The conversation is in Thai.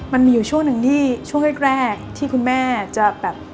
มันมีอยู่ช่วงหนึ่งที่ช่วงแรกที่คุณแม่จะแบบ